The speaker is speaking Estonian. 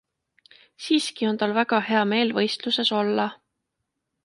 Siiski on tal väga hea meel võistluses olla.